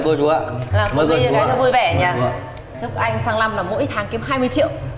chúc anh sang năm là mỗi tháng kiếm hai mươi triệu